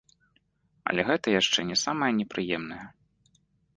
Але гэта яшчэ не самае непрыемнае.